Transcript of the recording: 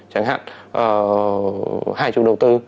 chẳng hạn hai chủ đầu tư